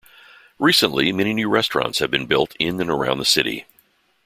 Recently many new restaurants have been built in and around the city.